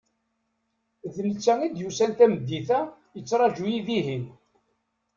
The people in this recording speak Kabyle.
D netta i d-yusan tameddit-a yettraǧu-yi dihin.